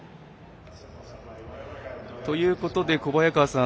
ということで、小早川さん